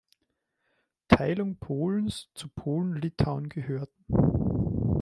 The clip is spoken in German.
Teilung Polens zu Polen-Litauen gehörten.